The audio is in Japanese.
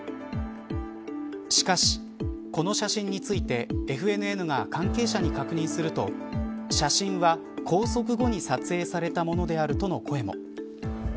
しかしこの写真についてＦＮＮが関係者に確認すると写真は拘束後に撮影されたものであるとの声も。